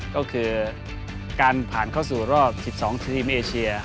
ก็คือการผ่านเข้าสู่รอบ๑๒ทีมเอเชีย